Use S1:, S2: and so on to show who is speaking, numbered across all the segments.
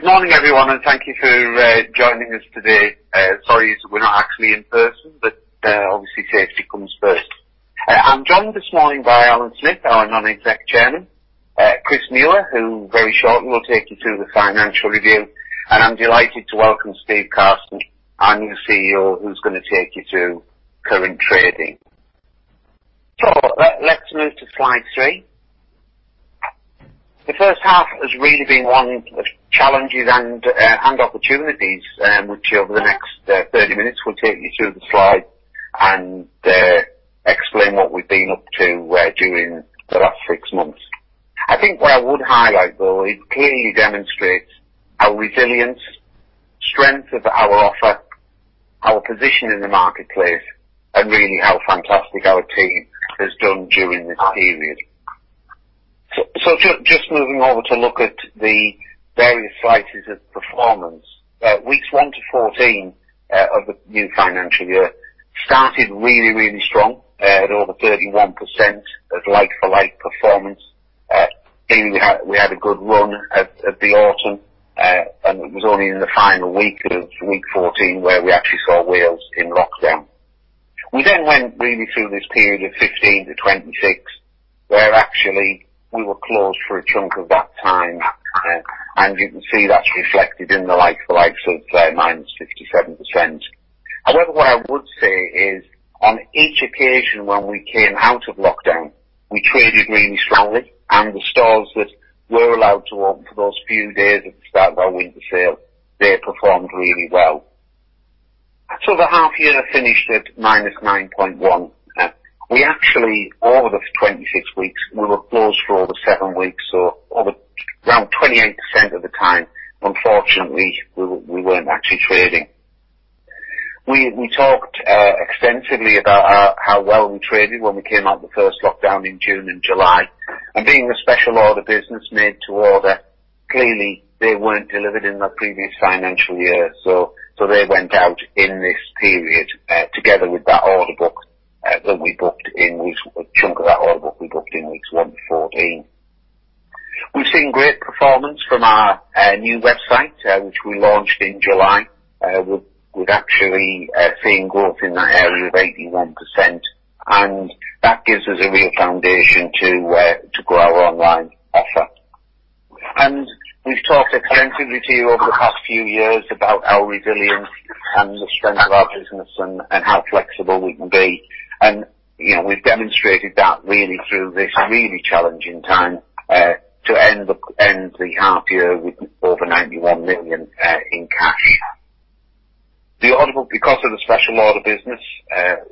S1: Good morning, everyone, and thank you for joining us today. Sorry we're not actually in person, but obviously safety comes first. I'm joined this morning by Alan Smith, our non-exec chairman, Chris Muir, who very shortly will take you through the financial review. I'm delighted to welcome Steve Carson, our new CEO, who's going to take you through current trading.
S2: Let's move to slide three. The first half has really been one of challenges and opportunities, which over the next 30 minutes will take you through the slide and explain what we've been up to during the last six months. I think what I would highlight, though, is it clearly demonstrates our resilience, strength of our offer, our position in the marketplace, and really how fantastic our team has done during this period. Just moving over to look at the various slices of performance, weeks 1 to 14 of the new financial year started really, really strong at over 31% of like-for-like performance. We had a good run at the autumn, and it was only in the final week of week 14 where we actually saw Wales in lockdown. We then went really through this period of 15 to 26, where actually we were closed for a chunk of that time. You can see that is reflected in the like-for-likes of -57%. However, what I would say is on each occasion when we came out of lockdown, we traded really strongly, and the stores that were allowed to open for those few days at the start of our winter sale, they performed really well. The half year finished at -9.1%. We actually, over the 26 weeks, we were closed for over seven weeks, so around 28% of the time, unfortunately, we were not actually trading. We talked extensively about how well we traded when we came out of the first lockdown in June and July. Being a special order business made to order, clearly they were not delivered in the previous financial year. They went out in this period together with that order book that we booked in weeks, a chunk of that order book we booked in weeks 1 to 14. We have seen great performance from our new website, which we launched in July. We have actually seen growth in that area of 81%, and that gives us a real foundation to grow our online offer. We have talked extensively to you over the past few years about our resilience and the strength of our business and how flexible we can be. We have demonstrated that really through this really challenging time to end the half year with over 91 million in cash. The order book, because of the special order business,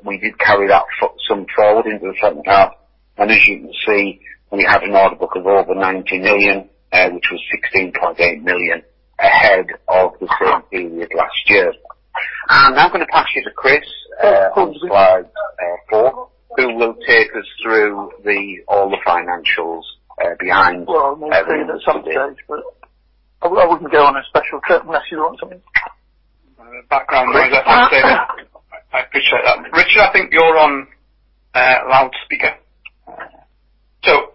S2: we did carry that sum forward into the second half. As you can see, we have an order book of over 90 million, which was 16.8 million ahead of the same period last year. I am going to pass you to Chris for slide four, who will take us through all the financials behind everything.
S3: Richard, I think you're on loudspeaker.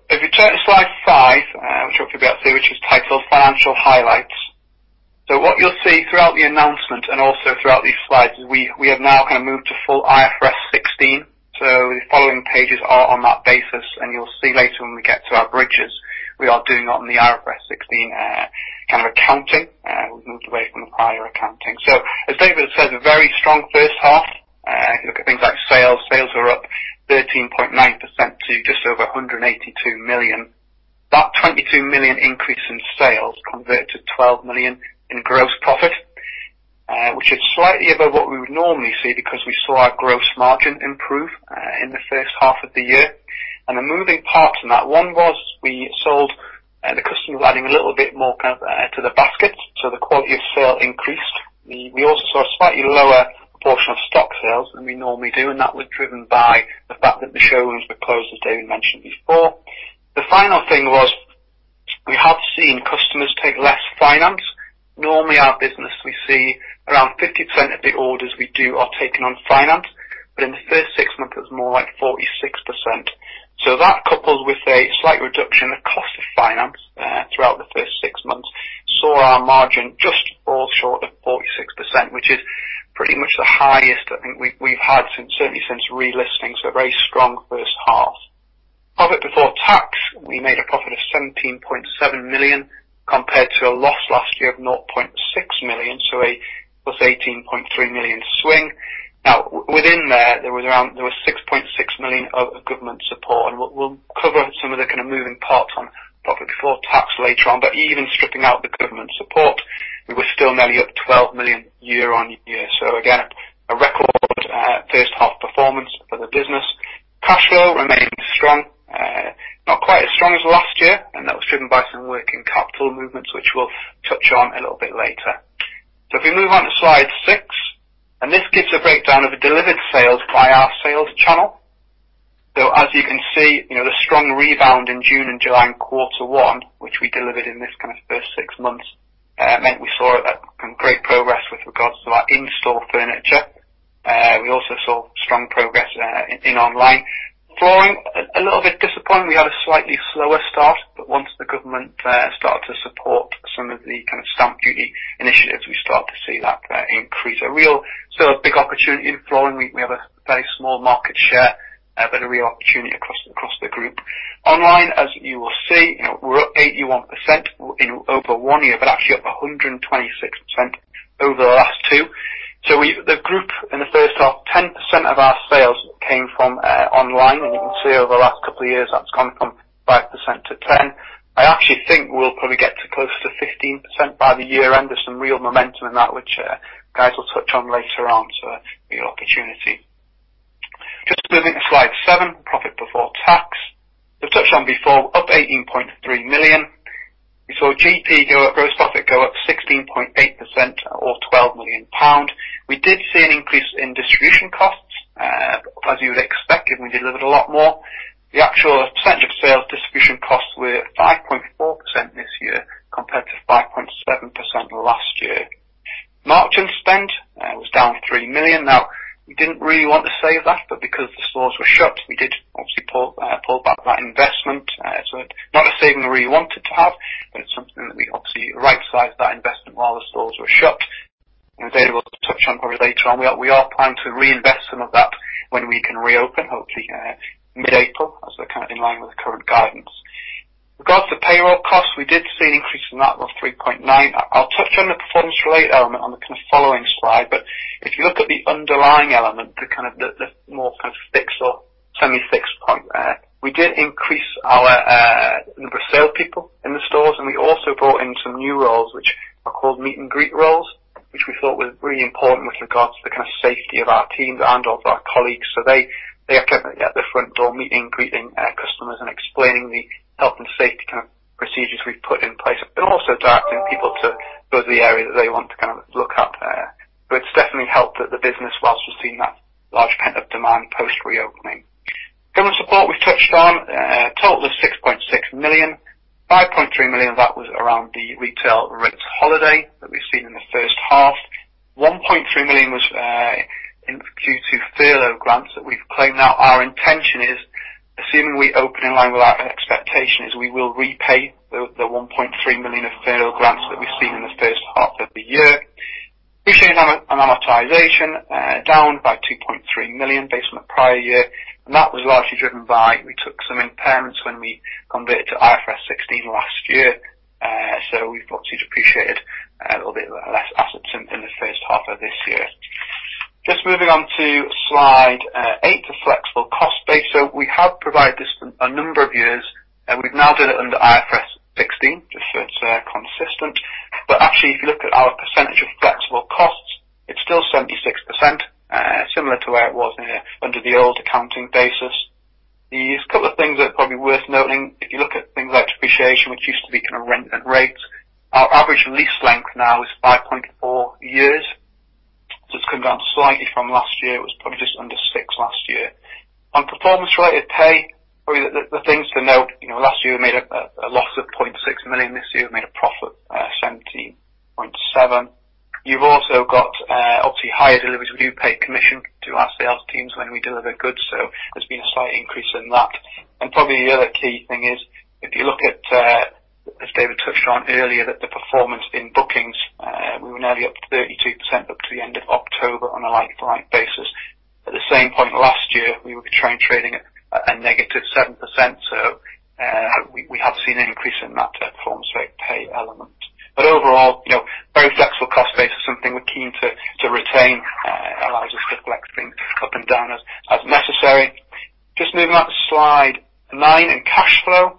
S3: If you turn to slide five, which we'll be at soon, which is titled Financial Highlights. What you'll see throughout the announcement and also throughout these slides is we have now kind of moved to full IFRS 16. The following pages are on that basis, and you'll see later when we get to our bridges, we are doing on the IFRS 16 kind of accounting. We've moved away from the prior accounting. As David said, a very strong first half. If you look at things like sales, sales are up 13.9% to just over 182 million. That 22 million increase in sales converted to 12 million in gross profit, which is slightly above what we would normally see because we saw our gross margin improve in the first half of the year. The moving parts in that one was we sold the customers adding a little bit more kind of to the basket, so the quality of sale increased. We also saw a slightly lower proportion of stock sales than we normally do, and that was driven by the fact that the showrooms were closed, as David mentioned before. The final thing was we have seen customers take less finance. Normally, our business, we see around 50% of the orders we do are taken on finance, but in the first six months, it was more like 46%. That couples with a slight reduction in the cost of finance throughout the first six months. Saw our margin just fall short of 46%, which is pretty much the highest I think we've had, certainly since relisting, so a very strong first half. Profit before tax, we made a profit of 17.7 million compared to a loss last year of 0.6 million, so a +18.3 million swing. Now, within there, there was around 6.6 million of government support. We will cover some of the kind of moving parts on profit before tax later on, but even stripping out the government support, we were still nearly up 12 million year-on-year. Again, a record first half performance for the business. Cash flow remained strong, not quite as strong as last year, and that was driven by some working capital movements, which we will touch on a little bit later. If we move on to slide six, this gives a breakdown of the delivered sales by our sales channel. As you can see, the strong rebound in June and July in quarter one, which we delivered in this kind of first six months, meant we saw great progress with regards to our in-store furniture. We also saw strong progress in online. Flooring, a little bit disappointing. We had a slightly slower start, but once the government started to support some of the kind of stamp duty initiatives, we started to see that increase. A real sort of big opportunity in flooring. We have a very small market share, but a real opportunity across the group. Online, as you will see, we're up 81% in over one year, but actually up 126% over the last two. The group in the first half, 10% of our sales came from online, and you can see over the last couple of years, that's gone from 5% to 10%. I actually think we'll probably get to close to 15% by the year-end. There's some real momentum in that, which guys will touch on later on, so real opportunity. Just moving to slide seven, profit before tax. We've touched on before, up 18.3 million. We saw GP gross profit go up 16.8% or 12 million pound. We did see an increase in distribution costs, as you would expect if we delivered a lot more. The actual percentage of sales distribution costs were 5.4% this year compared to 5.7% last year. March and spend was down 3 million. Now, we didn't really want to save that, but because the stores were shut, we did obviously pull back that investment. Not a saving we really wanted to have, but it's something that we obviously right-sized that investment while the stores were shut. David will touch on probably later on. We are planning to reinvest some of that when we can reopen, hopefully mid-April, as we're kind of in line with the current guidance. Regards to payroll costs, we did see an increase in that of 3.9%. I'll touch on the performance-related element on the kind of following slide, but if you look at the underlying element, the kind of the more kind of fixed or semi-fixed point there, we did increase our number of salespeople in the stores, and we also brought in some new roles, which are called meet-and-greet roles, which we thought were really important with regards to the kind of safety of our teams and of our colleagues. They are kept at the front door meet-and-greeting customers and explaining the health and safety kind of procedures we have put in place, and also directing people to go to the area that they want to kind of look at there. It has definitely helped the business, whilst we have seen that large kind of demand post-reopening. Government support we have touched on, total of 6.6 million, 5.3 million, that was around the retail rates holiday that we have seen in the first half. 1.3 million was due to furlough grants that we have claimed. Now, our intention is, assuming we open in line with our expectations, we will repay the 1.3 million of furlough grants that we have seen in the first half of the year. Appreciated amortization down by 2.3 million based on the prior year. That was largely driven by we took some impairments when we converted to IFRS 16 last year. We have obviously depreciated a little bit less assets in the first half of this year. Just moving on to slide eight, the flexible cost base. We have provided this for a number of years. We have now done it under IFRS 16, just so it is consistent. If you look at our percentage of flexible costs, it is still 76%, similar to where it was under the old accounting basis. There are a couple of things that are probably worth noting. If you look at things like depreciation, which used to be kind of rent and rates, our average lease length now is 5.4 years. It has come down slightly from last year. It was probably just under six last year. On performance-related pay, probably the things to note, last year we made a loss of 0.6 million. This year we made a profit of 17.7 million. You've also got obviously higher deliveries. We do pay commission to our sales teams when we deliver goods, so there's been a slight increase in that. Probably the other key thing is, if you look at, as David touched on earlier, that the performance in bookings, we were nearly up to 32% up to the end of October on a like-for-like basis. At the same point last year, we were trading at a -7%. We have seen an increase in that performance-related pay element. Overall, very flexible cost base is something we're keen to retain. It allows us to flex things up and down as necessary. Just moving on to slide nine and cash flow.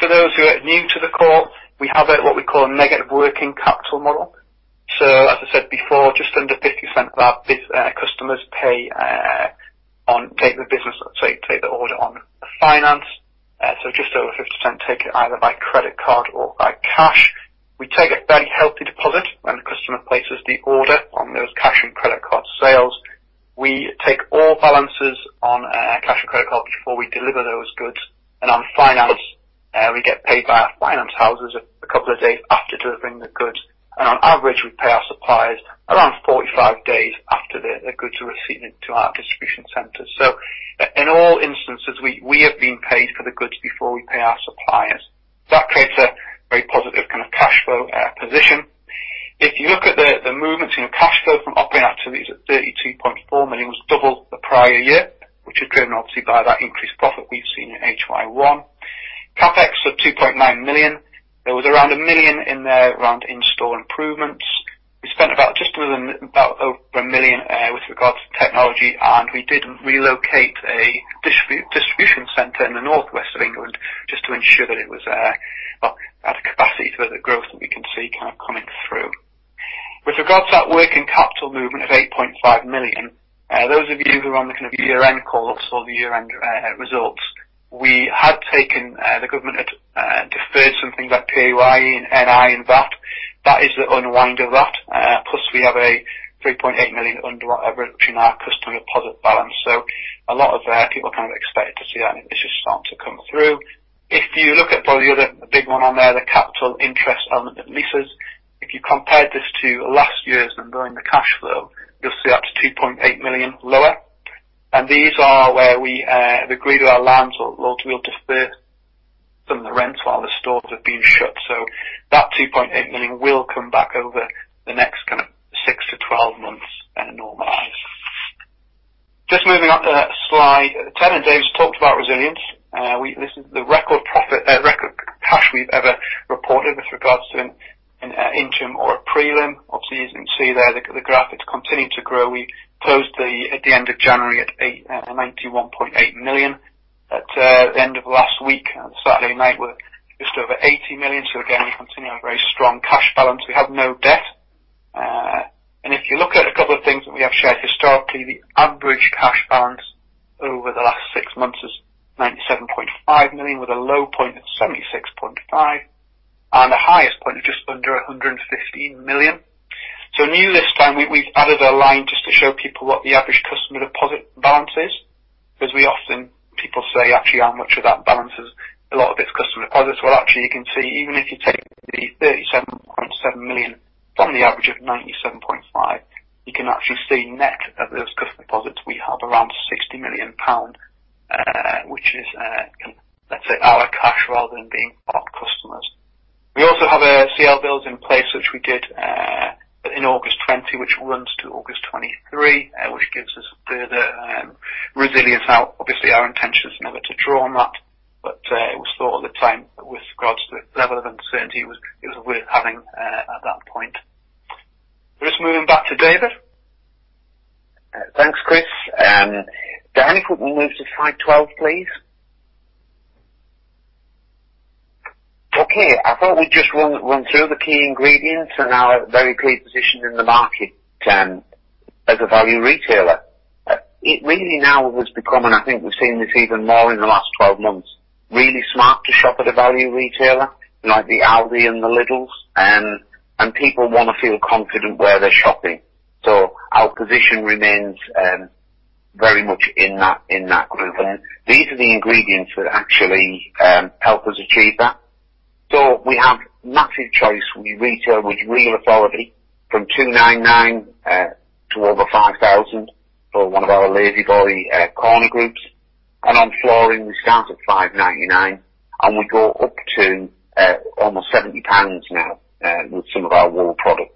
S3: Just for those who are new to the call, we have what we call a negative working capital model. As I said before, just under 50% of our customers pay on take the business, take the order on finance. Just over 50% take it either by credit card or by cash. We take a very healthy deposit when the customer places the order on those cash and credit card sales. We take all balances on cash and credit card before we deliver those goods. On finance, we get paid by our finance houses a couple of days after delivering the goods. On average, we pay our suppliers around 45 days after the goods are received into our distribution centers. In all instances, we have been paid for the goods before we pay our suppliers. That creates a very positive kind of cash flow position. If you look at the movements, cash flow from operating activities at 32.4 million was double the prior year, which is driven obviously by that increased profit we've seen in HY1. CapEx of 2.9 million. There was around 1 million in there around in-store improvements. We spent about just under about over 1 million with regards to technology, and we did relocate a distribution center in the northwest of England just to ensure that it was at a capacity for the growth that we can see kind of coming through. With regards to that working capital movement of 8.5 million, those of you who are on the kind of year-end calls or the year-end results, we had taken the government had deferred some things like PAYE and NI and VAT. That is the unwind of that. Plus, we have a 3.8 million reduction in our customer deposit balance. A lot of people kind of expected to see that, and it's just starting to come through. If you look at probably the other big one on there, the capital interest element of leases, if you compare this to last year's number in the cash flow, you'll see that's 2.8 million lower. These are where we've agreed with our landlords we'll defer some of the rents while the stores have been shut. That 2.8 million will come back over the next kind of 6 months-12 months normalized. Just moving on to slide 10, and David's talked about resilience. This is the record cash we've ever reported with regards to an interim or a prelim. Obviously, as you can see there, the graph is continuing to grow. We closed at the end of January at 91.8 million. At the end of last week, on Saturday night, we are just over 80 million. Again, we continue to have a very strong cash balance. We have no debt. If you look at a couple of things that we have shared historically, the average cash balance over the last six months is 97.5 million, with a low point of 76.5 million, and a highest point of just under 115 million. New this time, we have added a line just to show people what the average customer deposit balance is. Because we often, people say, actually, how much of that balance is a lot of it is customer deposits. Actually, you can see, even if you take the 37.7 million from the average of 97.5 million, you can actually see net of those customer deposits, we have around 60 million pound, which is, let's say, our cash rather than being our customers. We also have CL bills in place, which we did in August 2020, which runs to August 2023, which gives us further resilience. Now, obviously, our intention is never to draw on that, but it was thought at the time with regards to the level of uncertainty it was worth having at that point. Just moving back to David.
S1: Thanks, Chris. Danny, can we move to slide 12, please? Okay. I thought we'd just run through the key ingredients and our very clear position in the market as a value retailer. It really now has become, and I think we've seen this even more in the last 12 months, really smart to shop at a value retailer, like the Aldi and the Lidl's, and people want to feel confident where they're shopping. Our position remains very much in that group. These are the ingredients that actually help us achieve that. We have massive choice. We retail with real authority from 299 to over 5,000 for one of our La-Z-Boy corner groups. On flooring, we start at 599, and we go up to almost 70 pounds now with some of our wool products.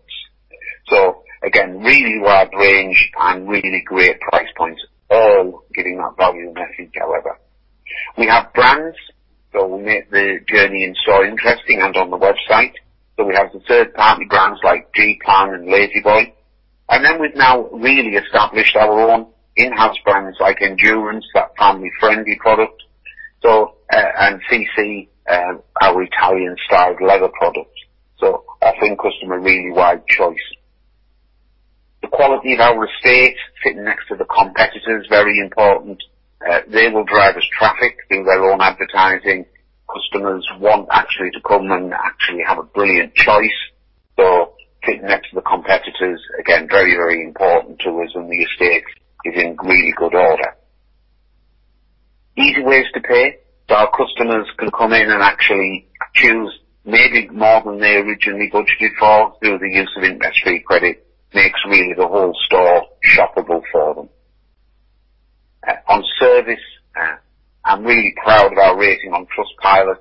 S1: Again, really wide range and really great price points, all giving that value message, however. We have brands, so we make the journey in store interesting and on the website. We have some third-party brands like G-Plan and La-Z-Boy. We have now really established our own in-house brands like Endurance, that family-friendly product, and CC, our Italian-style leather products. I think customer really wide choice. The quality of our estate sitting next to the competitors is very important. They will drive us traffic through their own advertising. Customers want actually to come and actually have a brilliant choice. Sitting next to the competitors, again, very, very important to us, and the estate is in really good order. Easy ways to pay. Our customers can come in and actually choose maybe more than they originally budgeted for through the use of interest-free credit, makes really the whole store shoppable for them. On service, I'm really proud of our rating on Trustpilot.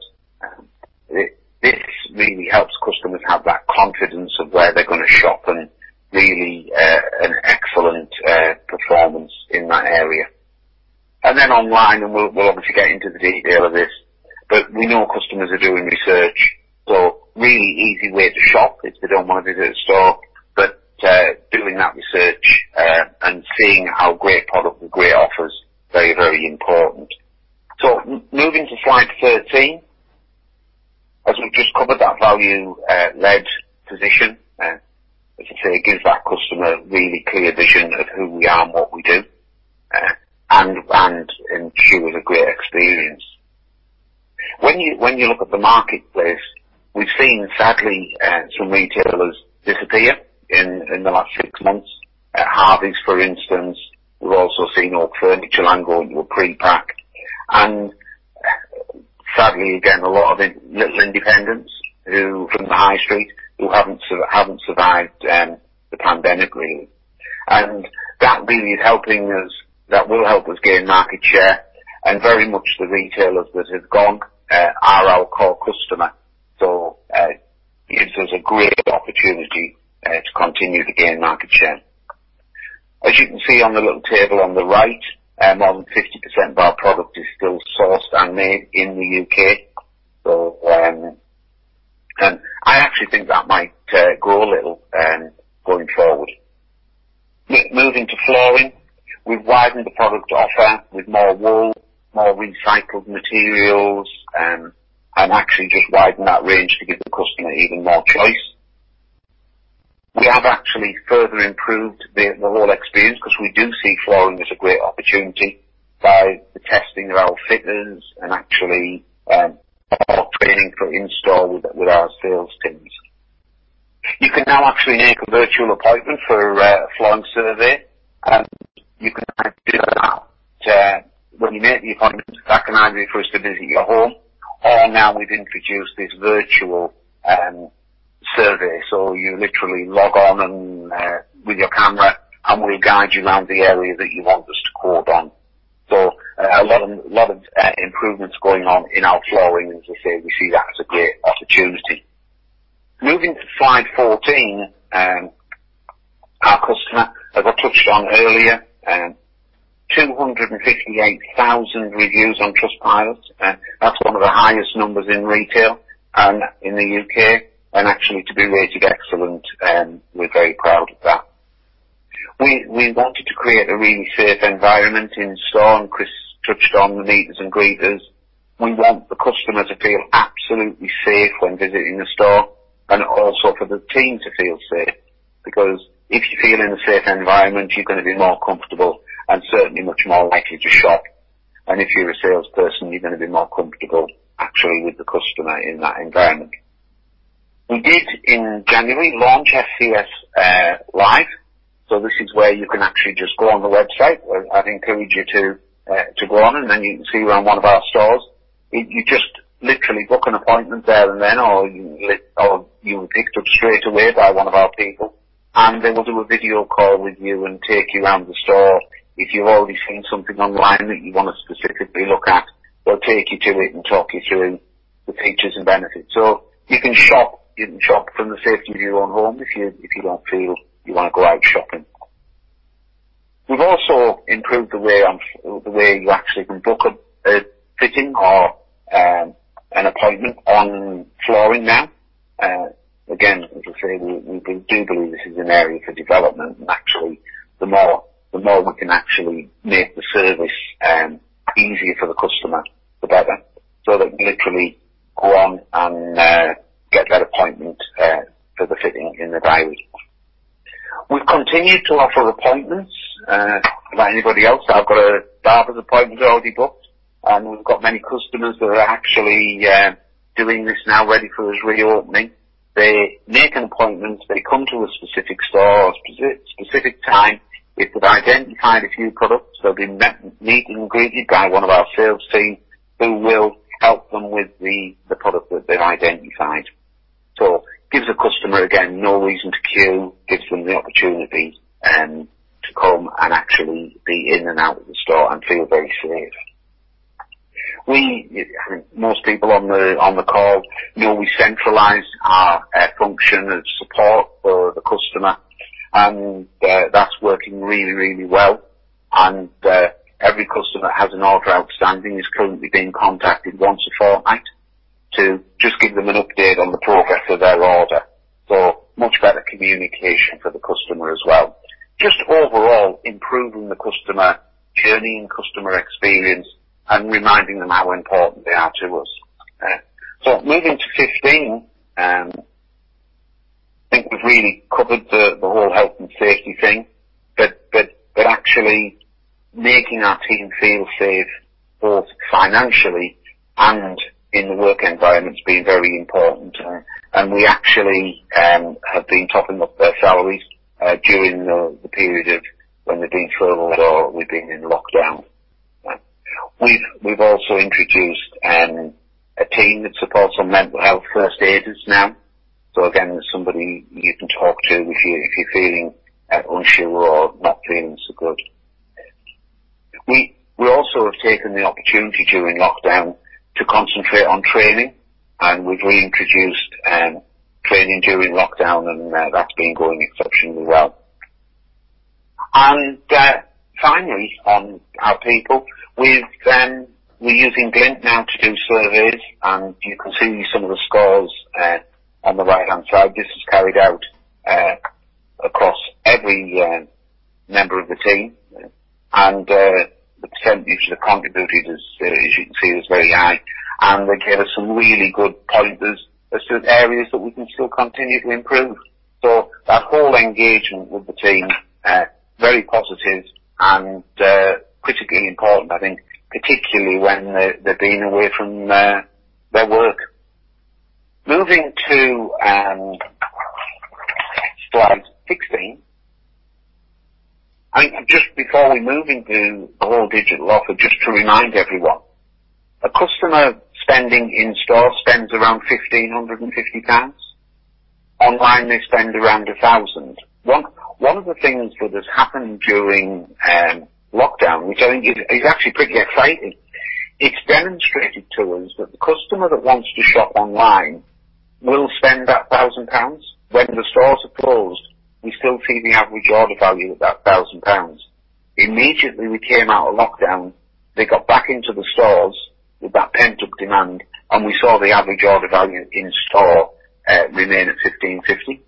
S1: This really helps customers have that confidence of where they're going to shop and really an excellent performance in that area. Online, and we'll obviously get into the detail of this, but we know customers are doing research. Really easy way to shop if they do not want to visit a store, but doing that research and seeing how great product with great offers, very, very important. Moving to slide 13, as we have just covered that value-led position, as you can see, it gives that customer really clear vision of who we are and what we do, and ensures a great experience. When you look at the marketplace, we have seen, sadly, some retailers disappear in the last six months. Harveys, for instance. We have also seen Oak Furnitureland go into a pre-pack. And sadly, again, a lot of little independents from the high street who have not survived the pandemic, really. That really is helping us; that will help us gain market share. Very much the retailers that have gone are our core customer. It gives us a great opportunity to continue to gain market share. As you can see on the little table on the right, more than 50% of our product is still sourced and made in the U.K. I actually think that might grow a little going forward. Moving to flooring, we've widened the product offer with more wool, more recycled materials, and actually just widened that range to give the customer even more choice. We have actually further improved the whole experience because we do see flooring as a great opportunity by the testing of our fitness and actually our training for in-store with our sales teams. You can now actually make a virtual appointment for a flooring survey, and you can do that when you make the appointment. That can either be for us to visit your home, or now we've introduced this virtual survey. You literally log on with your camera, and we'll guide you around the area that you want us to call on. A lot of improvements going on in our flooring, as you can see, we see that as a great opportunity. Moving to slide 14, our customer I got touched on earlier, 258,000 reviews on Trustpilot. That is one of the highest numbers in retail and in the U.K. Actually, to be rated excellent, we are very proud of that. We wanted to create a really safe environment in store, and Chris touched on the meetings and greeters. We want the customer to feel absolutely safe when visiting the store, and also for the team to feel safe. Because if you feel in a safe environment, you are going to be more comfortable and certainly much more likely to shop. If you are a salesperson, you are going to be more comfortable actually with the customer in that environment. We did, in January, launch FCS Live. This is where you can actually just go on the website. I'd encourage you to go on, and then you can see around one of our stores. You just literally book an appointment there and then, or you'll be picked up straight away by one of our people, and they will do a video call with you and take you around the store. If you've already seen something online that you want to specifically look at, they'll take you to it and talk you through the features and benefits. You can shop from the safety of your own home if you don't feel you want to go out shopping. We've also improved the way you actually can book a fitting or an appointment on flooring now. Again, as I say, we do believe this is an area for development, and actually, the more we can actually make the service easier for the customer, the better. That way you literally go on and get that appointment for the fitting in the diary. We've continued to offer appointments. Anybody else? I've got a barber's appointment already booked, and we've got many customers that are actually doing this now, ready for his reopening. They make an appointment. They come to a specific store, a specific time. If they've identified a few products, they'll be met and greeted by one of our sales teams who will help them with the product that they've identified. It gives the customer, again, no reason to queue. It gives them the opportunity to come and actually be in and out of the store and feel very safe. Most people on the call know we centralize our function of support for the customer, and that's working really, really well. Every customer that has an order outstanding is currently being contacted once a fortnight to just give them an update on the progress of their order. Much better communication for the customer as well. Just overall, improving the customer journey and customer experience and reminding them how important they are to us. Moving to 15, I think we've really covered the whole health and safety thing, but actually making our team feel safe both financially and in the work environment has been very important. We actually have been topping up their salaries during the period of when they've been furloughed or we've been in lockdown. We've also introduced a team that supports mental health first aiders now. Again, somebody you can talk to if you're feeling unsure or not feeling so good. We also have taken the opportunity during lockdown to concentrate on training, and we've reintroduced training during lockdown, and that's been going exceptionally well. Finally, on our people, we're using GLINT now to do surveys, and you can see some of the scores on the right-hand side. This is carried out across every member of the team, and the percentage of the contributors, as you can see, is very high. They gave us some really good pointers as to areas that we can still continually improve. That whole engagement with the team, very positive and critically important, I think, particularly when they've been away from their work. Moving to slide 16, just before we move into the whole digital offer, just to remind everyone, a customer spending in store spends around 1,550 pounds. Online they spend around 1,000. One of the things that has happened during lockdown, which I think is actually pretty exciting, it has demonstrated to us that the customer that wants to shop online will spend that 1,000 pounds. When the stores are closed, we still see the average order value at that 1,000 pounds. Immediately we came out of lockdown, they got back into the stores with that pent-up demand, and we saw the average order value in store remain at 1,550.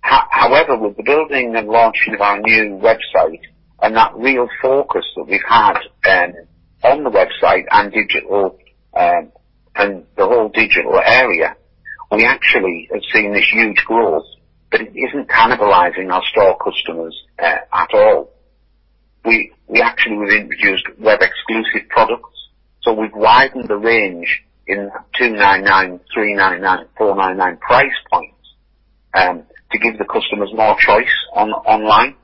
S1: However, with the building and launching of our new website and that real focus that we have had on the website and the whole digital area, we actually have seen this huge growth, but it is not cannibalizing our store customers at all. We actually have introduced web-exclusive products. We have widened the range in 299, 399, 499 price points to give the customers more choice online.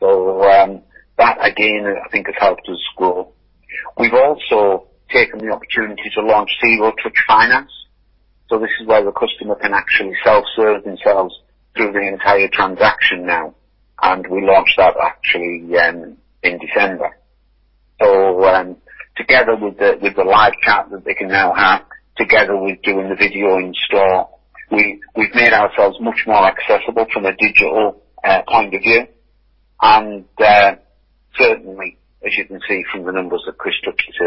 S1: That, again, I think has helped us grow. We have also taken the opportunity to launch Zero Touch Finance. This is where the customer can actually self-serve themselves through the entire transaction now, and we launched that in December. Together with the live chat that they can now have, together with doing the video in store, we have made ourselves much more accessible from a digital point of view. Certainly, as you can see from the numbers that Chris took you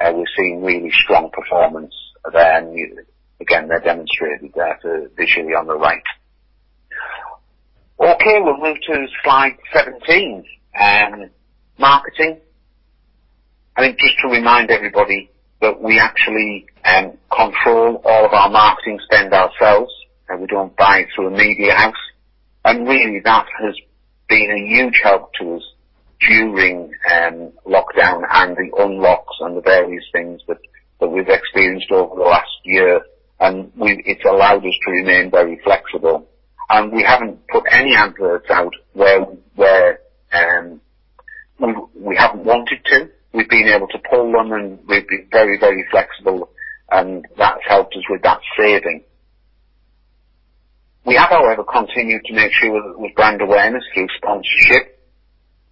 S1: to, we have seen really strong performance. Again, they are demonstrated there visually on the right. Okay, we will move to slide 17, marketing. I think just to remind everybody that we actually control all of our marketing spend ourselves, and we do not buy through a media house. That has been a huge help to us during lockdown and the unlocks and the various things that we have experienced over the last year. It has allowed us to remain very flexible. We have not put any adverts out where we have not wanted to. We have been able to pull them, and we have been very, very flexible, and that has helped us with that saving. We have, however, continued to make sure that there was brand awareness through sponsorship.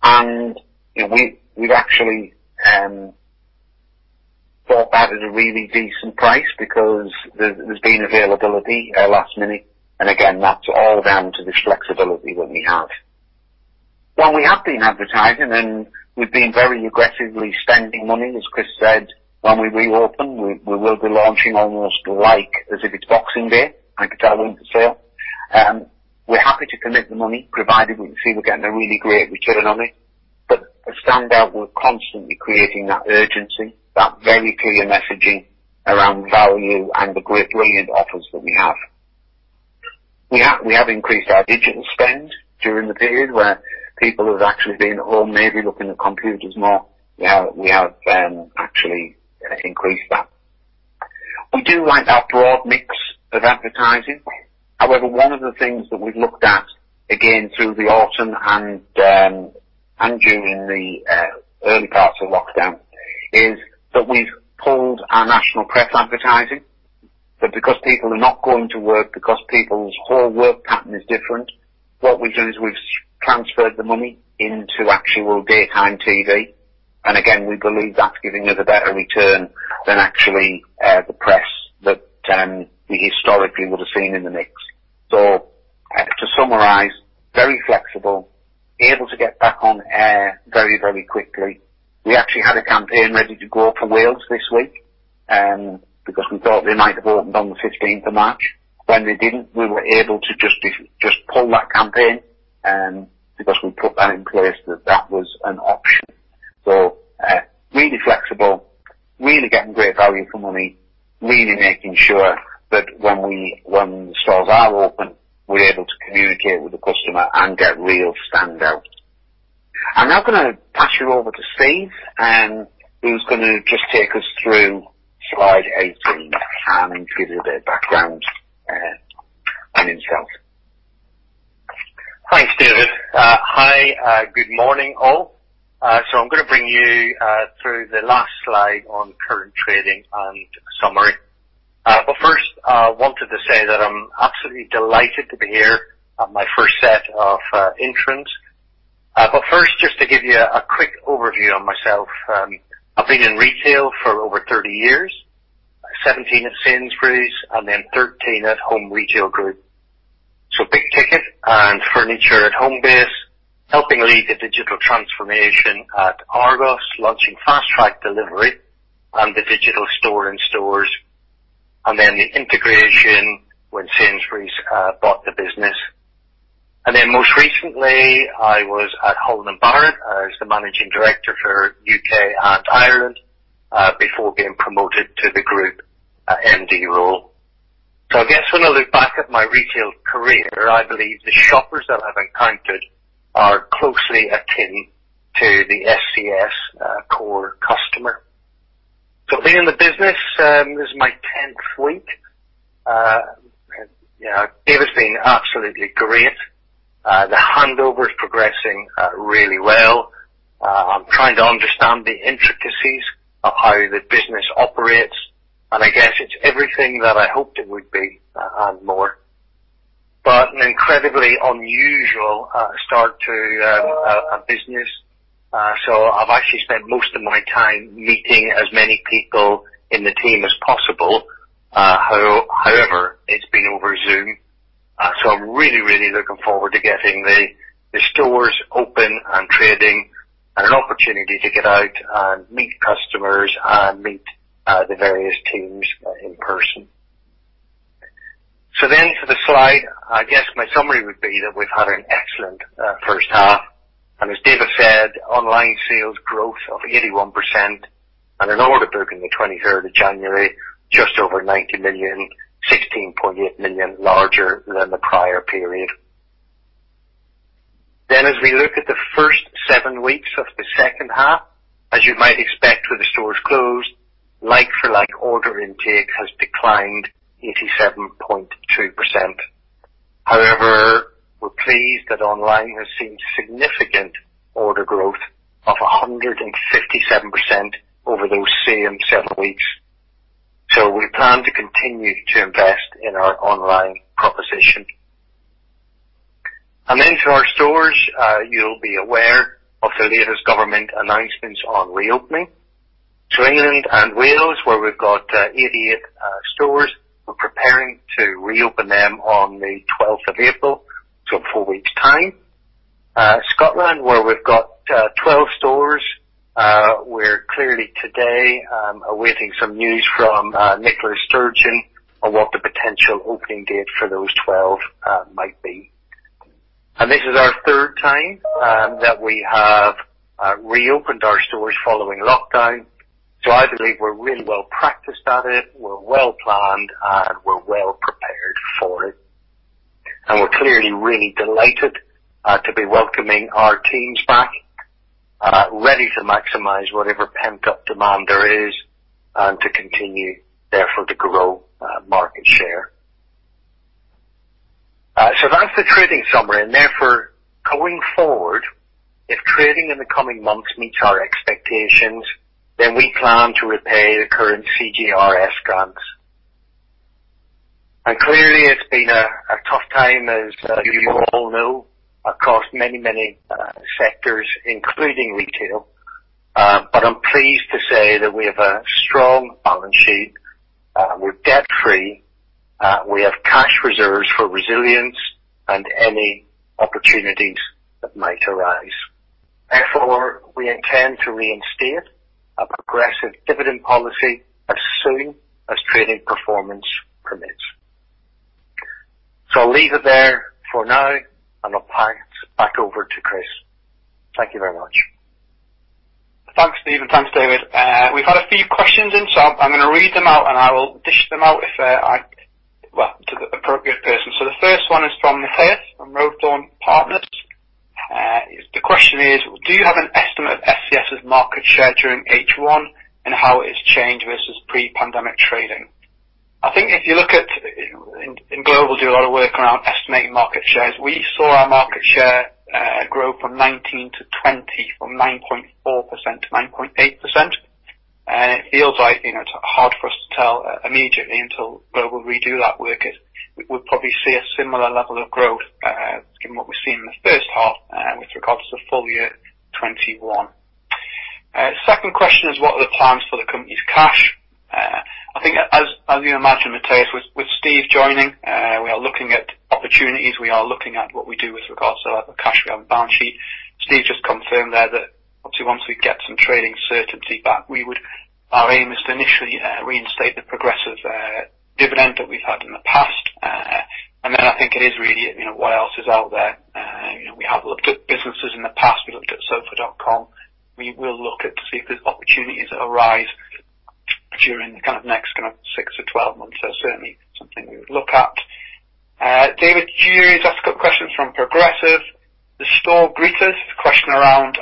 S1: We have actually bought that at a really decent price because there has been availability last minute. That is all down to this flexibility that we have. While we have been advertising, and we've been very aggressively spending money, as Chris said, when we reopen, we will be launching almost like as if it's Boxing Day. I could tell when to sell. We're happy to commit the money, provided we can see we're getting a really great return on it. A standout, we're constantly creating that urgency, that very clear messaging around value and the brilliant offers that we have. We have increased our digital spend during the period where people have actually been at home maybe looking at computers more. We have actually increased that. We do like that broad mix of advertising. However, one of the things that we've looked at, again, through the autumn and during the early parts of lockdown, is that we've pulled our national press advertising. Because people are not going to work, because people's whole work pattern is different, what we've done is we've transferred the money into actual daytime TV. Again, we believe that's giving us a better return than actually the press that we historically would have seen in the mix. To summarize, very flexible, able to get back on air very, very quickly. We actually had a campaign ready to go for Wales this week because we thought they might have opened on the 15th of March. When they did not, we were able to just pull that campaign because we put that in place that that was an option. Really flexible, really getting great value for money, really making sure that when the stores are open, we're able to communicate with the customer and get real standout. I'm now going to pass you over to Steve, who's going to just take us through slide 18 and give you a bit of background on himself.
S2: Hi, Steve. Hi, good morning all. I'm going to bring you through the last slide on current trading and summary. First, I wanted to say that I'm absolutely delighted to be here at my first set of intros. First, just to give you a quick overview of myself, I've been in retail for over 30 years, 17 at Sainsbury's and then 13 at Home Retail Group. Big ticket and furniture at Homebase, helping lead the digital transformation at Argos, launching fast track delivery and the digital store in stores, and then the integration when Sainsbury's bought the business. Most recently, I was at Holland & Barrett as the Managing Director for U.K. and Ireland before being promoted to the group MD role. I guess when I look back at my retail career, I believe the shoppers that I've encountered are closely akin to the ScS core customer. Being in the business is my 10th week. It has been absolutely great. The handover is progressing really well. I'm trying to understand the intricacies of how the business operates. I guess it's everything that I hoped it would be and more. An incredibly unusual start to a business. I've actually spent most of my time meeting as many people in the team as possible. However, it's been over Zoom. I'm really, really looking forward to getting the stores open and trading and an opportunity to get out and meet customers and meet the various teams in person. For the slide, I guess my summary would be that we've had an excellent first half. As David said, online sales growth of 81% and an order book on the 23rd of January, just over 90 million, 16.8 million larger than the prior period. As we look at the first seven weeks of the second half, as you might expect with the stores closed, like-for-like order intake has declined 87.2%. However, we're pleased that online has seen significant order growth of 157% over those same seven weeks. We plan to continue to invest in our online proposition. For our stores, you'll be aware of the latest government announcements on reopening. England and Wales, where we've got 88 stores, we're preparing to reopen them on April 12, so four weeks' time. Scotland, where we've got 12 stores, we're clearly today awaiting some news from Nicola Sturgeon on what the potential opening date for those 12 might be. This is our third time that we have reopened our stores following lockdown. I believe we're really well practiced at it, we're well planned, and we're well prepared for it. We're clearly really delighted to be welcoming our teams back, ready to maximize whatever pent-up demand there is and to continue therefore to grow market share. That's the trading summary. Therefore, going forward, if trading in the coming months meets our expectations, then we plan to repay the current CGRS grants. Clearly, it's been a tough time, as you all know, across many, many sectors, including retail. I'm pleased to say that we have a strong balance sheet. We're debt-free. We have cash reserves for resilience and any opportunities that might arise. Therefore, we intend to reinstate a progressive dividend policy as soon as trading performance permits. I'll leave it there for now, and I'll pass back over to Chris. Thank you very much.
S3: Thanks, Steve. Thanks, David. We've had a few questions in, so I'm going to read them out, and I will dish them out to the appropriate person. The first one is from Nicholas from Roadbone Partners. The question is, do you have an estimate of ScS's market share during H1 and how it has changed versus pre-pandemic trading? I think if you look at, and Global do a lot of work around estimating market shares, we saw our market share grow from 2019 to 2020, from 9.4% to 9.8%. It feels like it is hard for us to tell immediately until Global redo that work. We will probably see a similar level of growth given what we have seen in the first half with regards to full year 2021. Second question is, what are the plans for the company's cash? I think, as you imagine, Matthias, with Steve joining, we are looking at opportunities. We are looking at what we do with regards to the cash we have in balance sheet. Steve just confirmed there that obviously, once we get some trading certainty back, our aim is to initially reinstate the progressive dividend that we have had in the past. I think it is really what else is out there. We have looked at businesses in the past. We looked at Sofa.com. We will look to see if there are opportunities that arise during the next 6 to 12 months. Certainly something we would look at. David Gears asked a couple of questions from Progressive. The store greeters question around,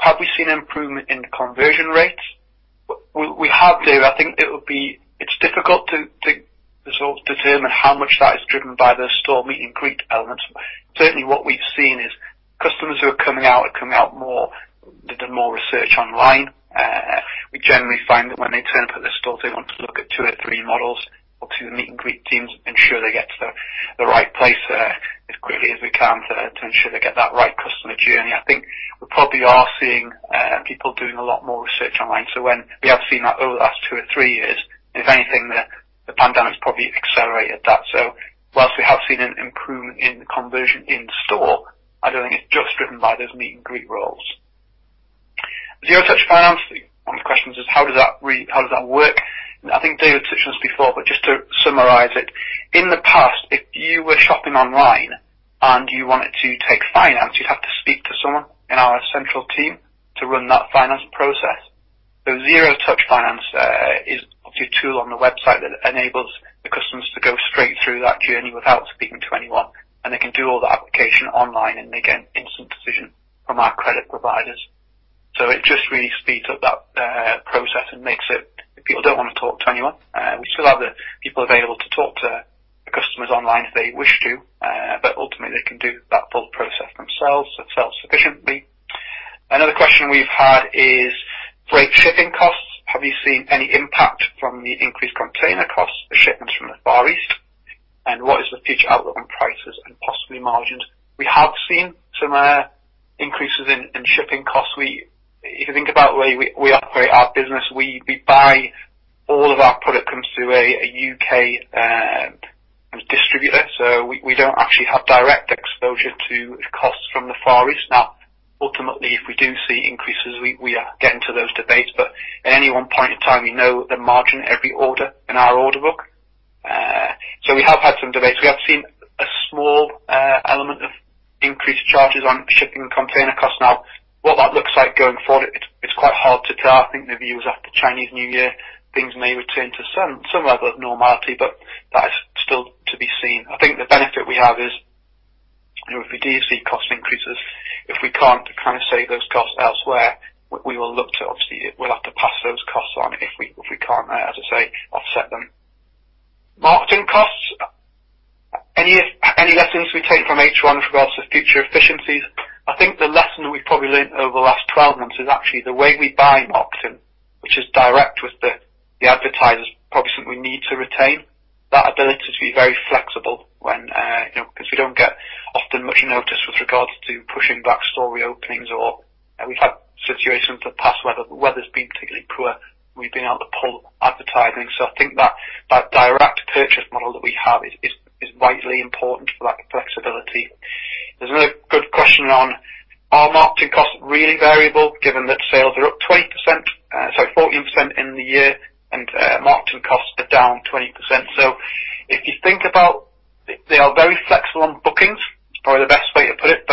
S3: have we seen improvement in conversion rates? We have, David. I think it is difficult to determine how much that is driven by the store meet-and-greet elements. Certainly, what we have seen is customers who are coming out are coming out more with more research online. We generally find that when they turn up at the store, they want to look at two or three models or to meet-and-greet teams and ensure they get to the right place as quickly as we can to ensure they get that right customer journey. I think we probably are seeing people doing a lot more research online. We have seen that over the last two or three years. If anything, the pandemic's probably accelerated that. Whilst we have seen an improvement in the conversion in store, I do not think it is just driven by those meet-and-greet roles. Zero Touch Finance, one of the questions is, how does that work? I think David touched on this before, but just to summarize it, in the past, if you were shopping online and you wanted to take finance, you'd have to speak to someone in our central team to run that finance process. Zero Touch Finance is obviously a tool on the website that enables the customers to go straight through that journey without speaking to anyone. They can do all the application online, and they get an instant decision from our credit providers. It just really speeds up that process and makes it if people do not want to talk to anyone, we still have the people available to talk to the customers online if they wish to, but ultimately, they can do that full process themselves self-sufficiently. Another question we've had is, great shipping costs. Have you seen any impact from the increased container costs for shipments from the Far East? What is the future outlook on prices and possibly margins? We have seen some increases in shipping costs. If you think about the way we operate our business, we buy all of our product through a U.K. distributor. We do not actually have direct exposure to costs from the Far East. Ultimately, if we do see increases, we are getting to those debates. At any one point in time, we know the margin of every order in our order book. We have had some debates. We have seen a small element of increased charges on shipping container costs. What that looks like going forward, it is quite hard to tell. I think the view is after Chinese New Year, things may return to some level of normality, but that is still to be seen. I think the benefit we have is if we do see cost increases, if we cannot kind of save those costs elsewhere, we will look to obviously, we will have to pass those costs on if we cannot, as I say, offset them. Marketing costs, any lessons we take from H1 with regards to future efficiencies? I think the lesson that we have probably learned over the last 12 months is actually the way we buy marketing, which is direct with the advertisers, probably something we need to retain, that ability to be very flexible because we do not get often much notice with regards to pushing back store re-openings. We have had situations in the past where the weather has been particularly poor, we have been able to pull advertising. I think that direct purchase model that we have is vitally important for that flexibility. There's another good question on, are marketing costs really variable given that sales are up 14% in the year, and marketing costs are down 20%? If you think about it, they are very flexible on bookings, probably the best way to put it.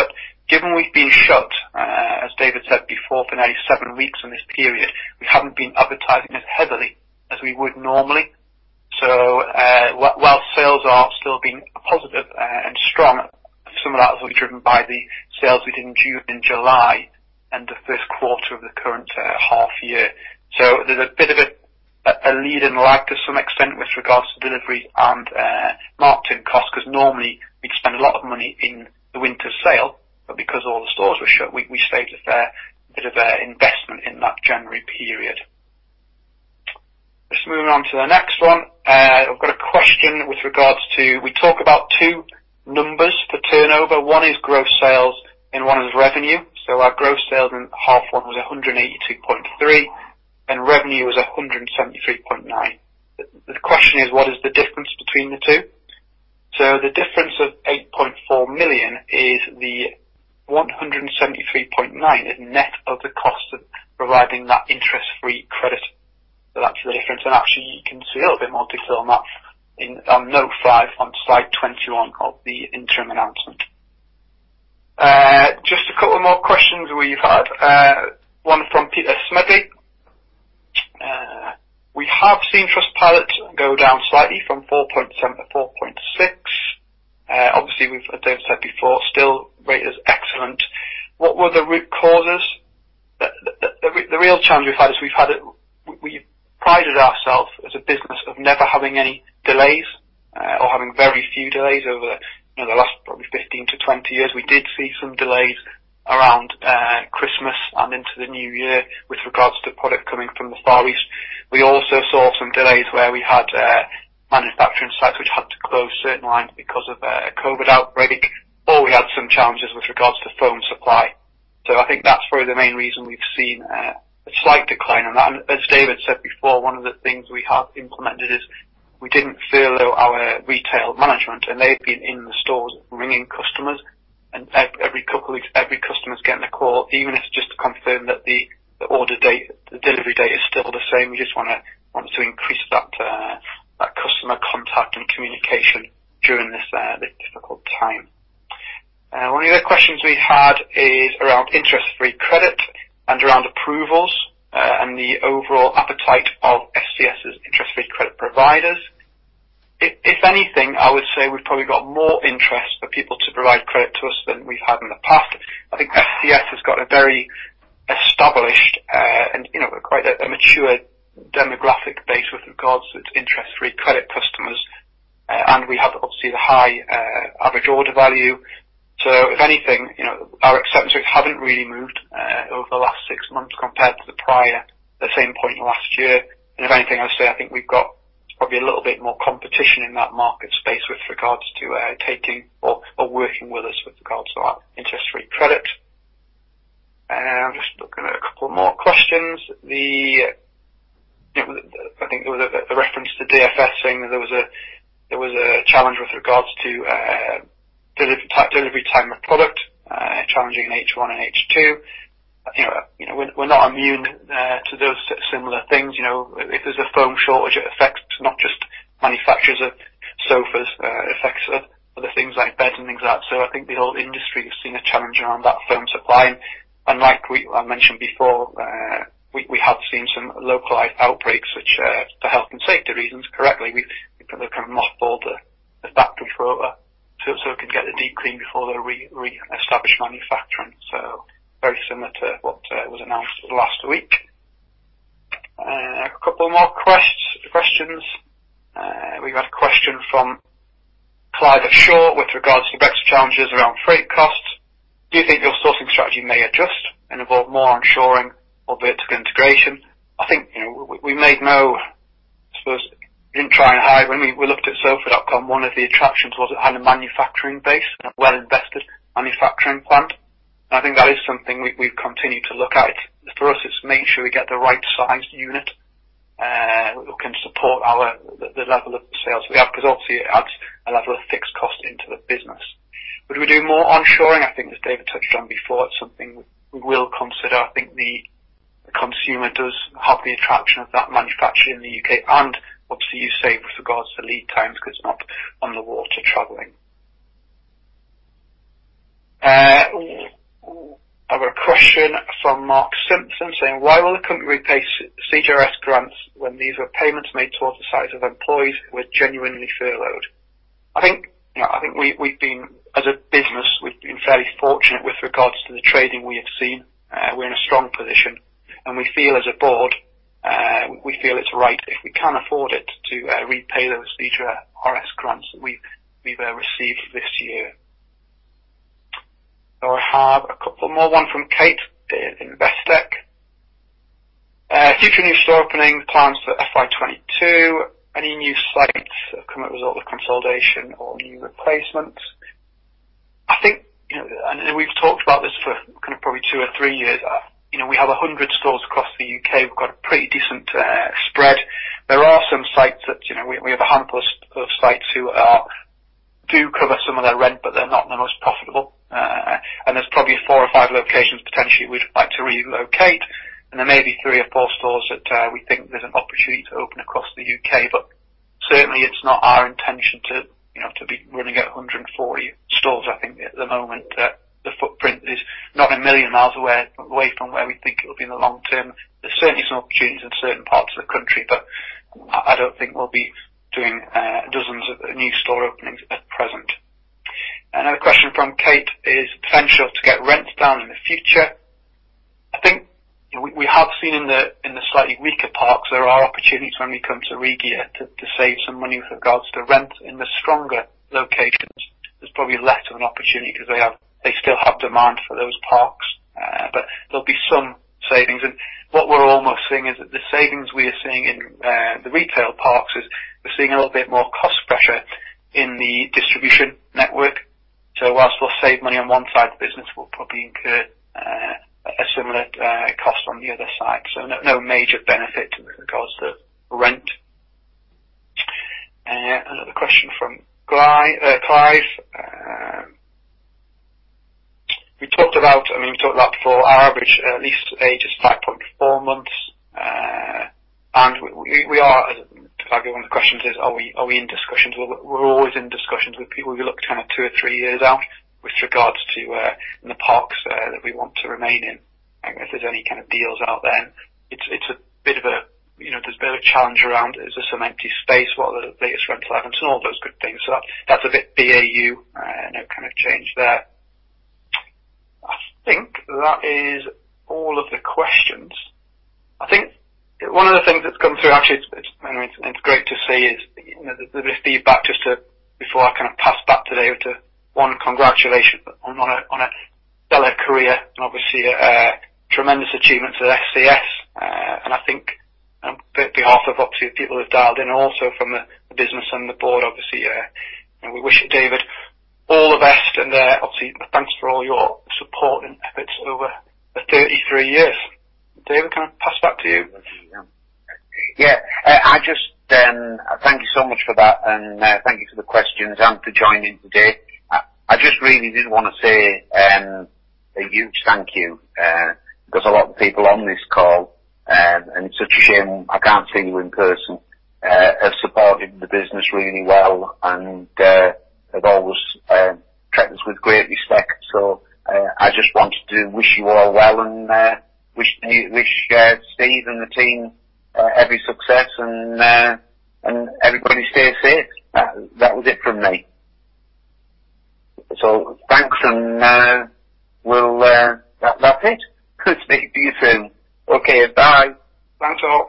S3: Given we've been shut, as David said before, for nearly seven weeks in this period, we haven't been advertising as heavily as we would normally. While sales are still being positive and strong, some of that is obviously driven by the sales we did in June and July and the first quarter of the current half year. There's a bit of a lead and lag to some extent with regards to delivery and marketing costs because normally, we'd spend a lot of money in the winter sale. Because all the stores were shut, we saved a fair bit of investment in that January period. Just moving on to the next one. I've got a question with regards to, we talk about two numbers for turnover. One is gross sales and one is revenue. Our gross sales in half one was 182.3 million, and revenue was 173.9 million. The question is, what is the difference between the two? The difference of 8.4 million is that the 173.9 million is net of the cost of providing that interest-free credit. That's the difference. You can see a little bit more detail on that on note five on slide 21 of the interim announcement. Just a couple more questions we've had. One from Peter Smedley. We have seen Trustpilot go down slightly from 4.7 to 4.6. Obviously, as David said before, still rate is excellent. What were the root causes? The real challenge we've had is we've prided ourselves as a business of never having any delays or having very few delays over the last probably 15 years-20 years. We did see some delays around Christmas and into the new year with regards to product coming from the Far East. We also saw some delays where we had manufacturing sites which had to close certain lines because of a COVID outbreak, or we had some challenges with regards to foam supply. I think that's probably the main reason we've seen a slight decline on that. As David said before, one of the things we have implemented is we did not furlough our retail management, and they have been in the stores ringing customers. Every couple of weeks, every customer is getting a call, even if it is just to confirm that the order date, the delivery date is still the same. We just want to increase that customer contact and communication during this difficult time. One of the questions we had is around interest-free credit and around approvals and the overall appetite of ScS's interest-free credit providers. If anything, I would say we have probably got more interest for people to provide credit to us than we have had in the past. I think ScS has got a very established and quite a mature demographic base with regards to its interest-free credit customers. We have obviously the high average order value. If anything, our acceptance rates have not really moved over the last six months compared to the same point last year. If anything, I would say I think we have probably a little bit more competition in that market space with regards to taking or working with us with regards to our interest-free credit. I am just looking at a couple more questions. I think there was a reference to DFS saying that there was a challenge with regards to delivery time of product, challenging in H1 and H2. We are not immune to those similar things. If there is a foam shortage, it affects not just manufacturers of sofas, it affects other things like beds and things like that. I think the whole industry has seen a challenge around that foam supply. Like I mentioned before, we have seen some localized outbreaks, which for health and safety reasons, correctly, we've kind of mothballed the factory so it can get a deep clean before they reestablish manufacturing. Very similar to what was announced last week. A couple more questions. We've had a question from Clive Short with regards to Brexit challenges around freight costs. Do you think your sourcing strategy may adjust and evolve more onshoring or vertical integration? I think we made no, I suppose, we didn't try and hide. When we looked at Sofa.com, one of the attractions was it had a manufacturing base and a well-invested manufacturing plant. I think that is something we've continued to look at. For us, it's making sure we get the right sized unit that can support the level of sales we have because obviously, it adds a level of fixed cost into the business. Would we do more onshoring? I think as David touched on before, it's something we will consider. I think the consumer does have the attraction of that manufacturer in the U.K. Obviously, you save with regards to lead times because it's not on the water traveling. Another question from Mark Simpson saying, why will the company repay CJRS grants when these were payments made towards the size of employees who were genuinely furloughed? I think we've been, as a business, we've been fairly fortunate with regards to the trading we have seen. We're in a strong position. We feel as a board, we feel it's right if we can afford it to repay those CGRS grants that we've received this year. I have a couple more. One from Kate in Vestek. Future new store opening plans for FY 2022. Any new sites come as a result of consolidation or new replacements? I think, and we've talked about this for probably two or three years, we have 100 stores across the U.K. We've got a pretty decent spread. There are some sites that we have, a handful of sites who do cover some of their rent, but they're not the most profitable. There's probably four or five locations potentially we'd like to relocate. There may be three or four stores that we think there's an opportunity to open across the U.K. Certainly, it's not our intention to be running at 140 stores. I think at the moment, the footprint is not a million miles away from where we think it'll be in the long term. There's certainly some opportunities in certain parts of the country, but I don't think we'll be doing dozens of new store openings at present. Another question from Kate is potential to get rents down in the future. I think we have seen in the slightly weaker parks, there are opportunities when we come to regale to save some money with regards to rent. In the stronger locations, there's probably less of an opportunity because they still have demand for those parks. There'll be some savings. What we're almost seeing is that the savings we are seeing in the retail parks is we're seeing a little bit more cost pressure in the distribution network. Whilst we'll save money on one side of the business, we'll probably incur a similar cost on the other side. No major benefit with regards to rent. Another question from Clive. We talked about, I mean, we talked about before, our average lease age is 5.4 months. We are, one of the questions is, are we in discussions? We're always in discussions with people. We look kind of two or three years out with regards to the parks that we want to remain in. If there's any kind of deals out there, it's a bit of a, there's a bit of a challenge around, is there some empty space? What are the latest rental advances? All those good things. That's a bit BAU, no kind of change there. I think that is all of the questions. I think one of the things that's come through, actually, it's great to see is the feedback just before I kind of pass back to David to, one, congratulations on a stellar career and obviously tremendous achievements at ScS. I think on behalf of obviously the people who've dialed in also from the business and the board, obviously, we wish David all the best. Obviously, thanks for all your support and efforts over the 33 years. David, can I pass back to you?
S1: Yeah. I just thank you so much for that. Thank you for the questions and for joining today. I just really did want to say a huge thank you because a lot of people on this call, and it's such a shame I can't see you in person, have supported the business really well and have always treated us with great respect. I just want to wish you all well and wish Steve and the team every success and everybody stay safe. That was it from me. Thanks and that's it. Good to meet you soon.
S2: Okay. Bye.
S3: Thanks all.